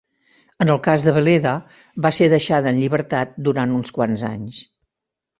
En el cas de Veleda, va ser deixada en llibertat durant uns quants anys.